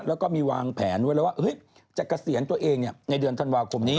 แล้วก็มีวางแผนไว้แล้วว่าจะเกษียณตัวเองในเดือนธันวาคมนี้